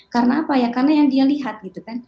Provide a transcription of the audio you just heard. karena apa ya karena yang dia lihat gitu kan